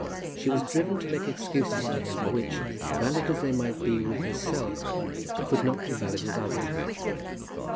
She was driven to make excuses for him which, valid as they might be with herself, could not be valid with others.